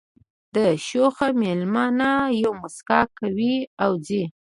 دا شوخه مېلمنه یوه مسکا کوي او ځي